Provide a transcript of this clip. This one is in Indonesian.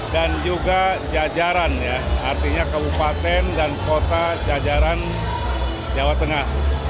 dan juga jajaran artinya kabupaten dan kota jajaran jawa tengah